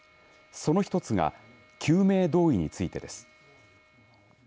その１つが救命胴衣についてです。